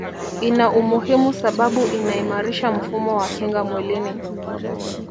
ina umuhimu sababu inaimarisha mfumo wa kinga mwilini